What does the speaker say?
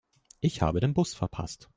Ich habe den Bus verpasst.